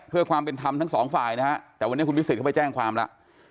เพื่อความเป็นธรรมทั้งสองฝ่ายนะฮะแต่วันนี้คุณพิสิทธิเขาไปแจ้งความแล้ว